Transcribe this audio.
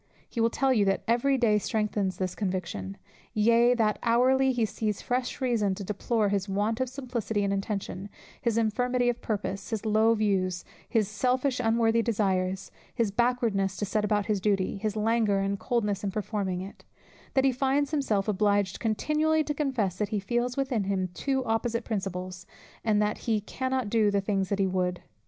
He will tell you, that every day strengthens this conviction; yea, that hourly he sees fresh reason to deplore his want of simplicity in intention, his infirmity of purpose, his low views, his selfish unworthy desires, his backwardness to set about his duty, his languor and coldness in performing it: that he finds himself obliged continually to confess, that he feels within him two opposite principles, and that "he cannot do the things that he would."